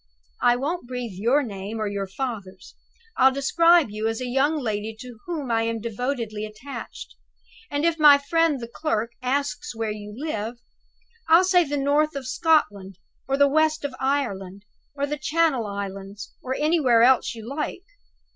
I won't breathe your name or your father's. I'll describe you as 'a young lady to whom I am devotedly attached.' And if my friend the clerk asks where you live, I'll say the north of Scotland, or the west of Ireland, or the Channel Islands, or anywhere else you like.